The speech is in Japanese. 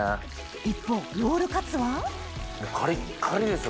一方ロールカツはカリッカリですよ